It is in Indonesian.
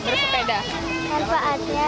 bikin seneng bener banget sih